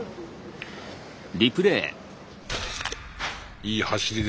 いい走りですね